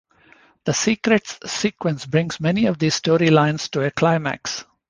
The Secrets sequence brings many of these story lines to a climax.